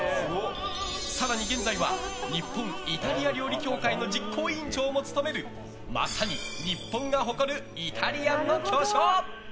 更に、現在は日本イタリア料理協会の実行委員長も務めるまさに日本が誇るイタリアンの巨匠。